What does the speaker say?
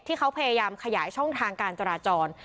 ที่เขาพยายามขยายช่องทางการจราจร